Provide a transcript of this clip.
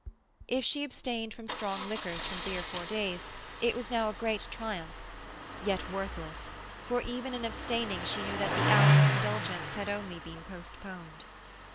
If she abstained from strong liquors for three or four days it was now a great triumph; yet worthless, for even in abstaining she knew that the hour of indulgence had only been postponed.